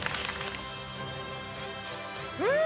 うん！